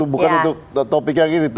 bukan untuk topik yang gini